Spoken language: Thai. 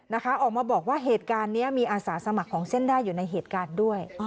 นะคะออกมาบอกว่าเหตุการณ์นี้มีอาสาสมัครของเส้นได้อยู่ในเหตุการณ์ด้วย